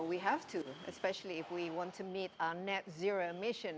ya kita harus terutama jika kita ingin menemukan emisi net